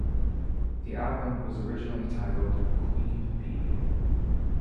The album was originally titled "Queen Bee".